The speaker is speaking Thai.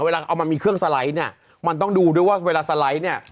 เวลาเอามามีเครื่องสไลด์เนี่ยมันต้องดูด้วยว่าเวลาสไลด์เนี่ย